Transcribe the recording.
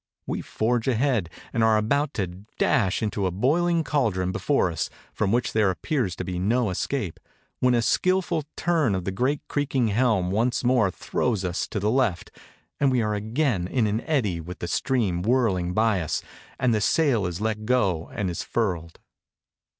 We forge ahead and are about to dash into a boiling caldron before us, from which there appears to be no escape, when a skillful turn of the great creaking helm once more throws us to the left, and we are again in an eddy with the stream whirling by us, and the sail is let go and is furled.